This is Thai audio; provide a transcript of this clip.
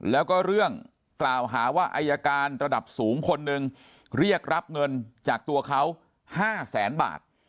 แล้วก็เรื่องกล่าวหาว่าอายการระดับสูงคนหนึ่งเรียกรับเงินจากตัวเขา๕แสนบาท